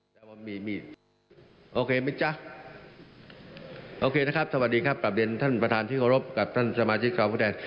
โอเคไหมจ๊ะโอเคน่าครับสวัสดีครับปรับเดินท่านประธานที่ขอรบกับท่านสมาชิกการพูดแทน